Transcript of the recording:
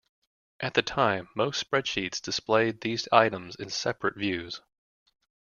At the time, most spreadsheets displayed these items in separate views.